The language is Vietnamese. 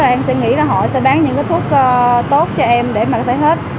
em sẽ nghĩ là họ sẽ bán những cái thuốc tốt cho em để mà thấy hết